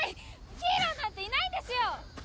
ヒーローなんていないんですよ！